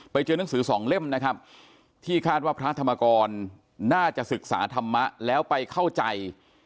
หนังสือสองเล่มนะครับที่คาดว่าพระธรรมกรน่าจะศึกษาธรรมะแล้วไปเข้าใจ